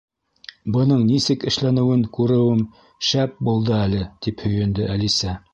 —Бының нисек эшләнеүен күреүем шәп булды әле, —тип һөйөндө Әлисә.